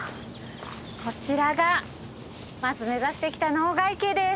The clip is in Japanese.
こちらがまず目指してきた濃ヶ池です。